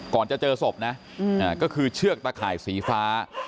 ก่อนจะเจอศพนะก็คือเชือกตะข่ายสีฟ้า